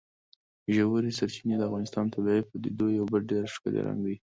ژورې سرچینې د افغانستان د طبیعي پدیدو یو بل ډېر ښکلی رنګ دی.